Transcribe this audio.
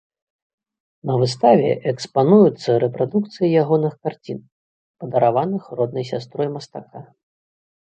На выставе экспануюцца рэпрадукцыі ягоных карцін, падараваных роднай сястрой мастака.